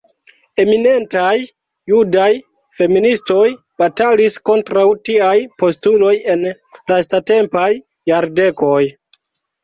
Eminentaj Judaj feministoj batalis kontraŭ tiaj postuloj en lastatempaj jardekoj.